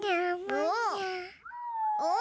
お！